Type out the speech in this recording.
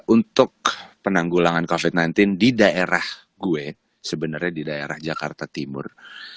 untuk penanggulangan covid sembilan belas di daerah gue sebenarnya di daerah jakarta timur